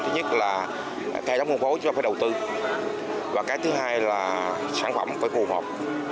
thứ nhất là kẻ đóng công phố chúng ta phải đầu tư và cái thứ hai là sản phẩm phải phù hợp